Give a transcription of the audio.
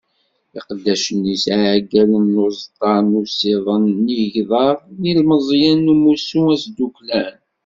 Iqeddacen-is, iɛeggalen n uẓeṭṭa n usiḍen n yigḍaḍ d yilemẓiyen n umussu asdukklan.